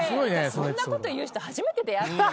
そんなこと言う人初めて出会って。